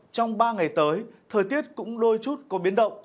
trong ba ngày tới thời tiết cũng đôi chút có biến động